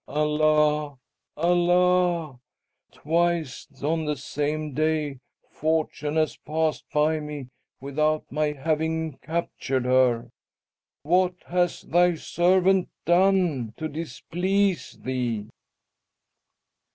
"Allah, Allah! Twice on the same day Fortune has passed by me without my having captured her. What hath thy servant done to displease thee?"